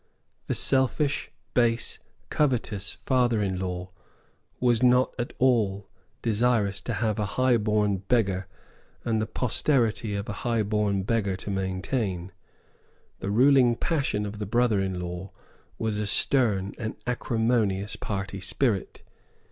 The selfish, base, covetous, father in law was not at all desirous to have a highborn beggar and the posterity of a highborn beggar to maintain. The ruling passion of the brother in law was a stern and acrimonious party spirit.